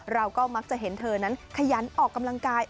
เราก็มักจะเห็นเธอนั้นขยันออกกำลังกาย